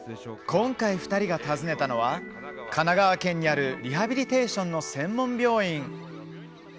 今回、２人が訪ねたのは神奈川県にあるリハビリテーションの専門病院。